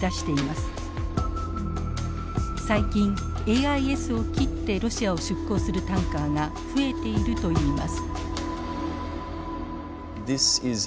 最近ＡＩＳを切ってロシアを出港するタンカーが増えているといいます。